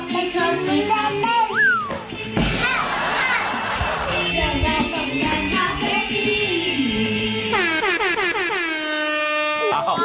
ที่ยังไม่ต้องยังชาวเทคโนมัติ